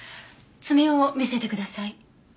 爪を見せてください。